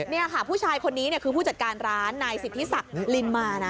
เนี่ยค่ะผู้ชายคนนี้เนี่ยคือผู้จัดการร้านนายศิษย์ที่ศักดิ์ลินมานะ